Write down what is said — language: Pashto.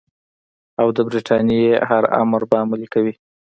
او د برټانیې هر امر به عملي کوي.